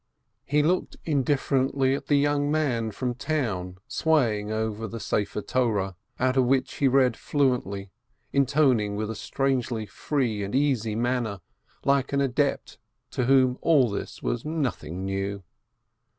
He looked indifferently at the young man from town swaying over the Torah, out of which he read fluently, intoning with a strangely free and easy manner, like an adept to whom all this was nothing new.